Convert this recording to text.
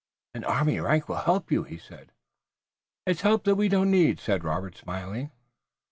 "An army rank will help you," he said. "It's help that we don't need," said Robert smiling.